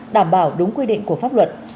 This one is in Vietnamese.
đảm bảo đúng quy định của pháp luật